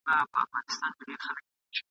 اوس یې شیخان و آینې ته پر سجده پرېوزي !.